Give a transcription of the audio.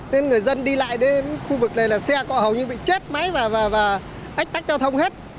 nên người dân đi lại đến khu vực này là xe cộ hầu như bị chết máy và ách tắc giao thông hết